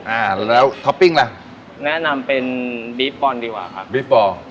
อ่าแล้วท็อปปิ้งล่ะแนะนำเป็นบีฟบอลดีกว่าครับบีฟบอล